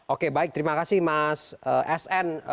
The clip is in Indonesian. oke baik terima kasih mas sn